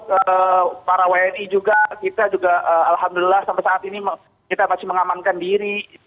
terus para wni juga kita juga alhamdulillah sampai saat ini kita masih mengamankan diri